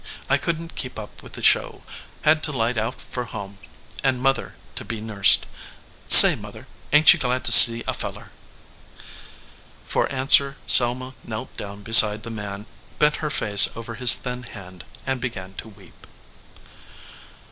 I couldn t keep up with the show ; had to light out for home and mother to be nursed. Say, mother, ain t you glad to see a feller?" For answer Selma knelt down beside the man, bent her face over his thin hand and began to weep.